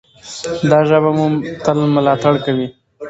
دا ژبه به مو تل ملاتړ کوي.